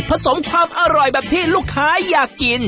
สมความอร่อยแบบที่ลูกค้าอยากกิน